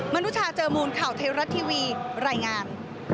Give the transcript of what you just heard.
นุชาเจอมูลข่าวไทยรัฐทีวีรายงาน